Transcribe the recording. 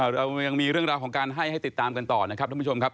เรายังมีเรื่องราวของการให้ให้ติดตามกันต่อนะครับท่านผู้ชมครับ